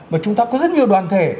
mà chúng ta có rất nhiều đoàn thể